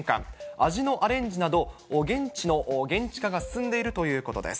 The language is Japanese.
味のアレンジなど、現地化が進んでいるということです。